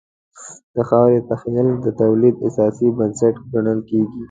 د خاورې تحلیل د تولید اساسي بنسټ ګڼل کېږي.